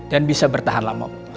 dan bisa bertahan lama